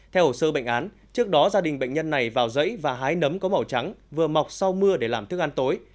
theo hồ sơ bệnh án trước đó gia đình bệnh nhân này vào rẫy và hái nấm có màu trắng vừa mọc sau mưa để làm thức ăn tối